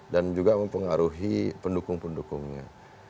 dan juga mempengaruhi pendukung pendukungnya